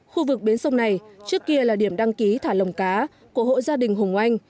khu vực bến sông này trước kia là điểm đăng ký thả lồng cá của hộ gia đình hùng oanh